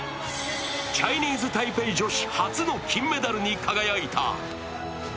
チャイニーズ・タイペイ女子初の金メダルに輝いた。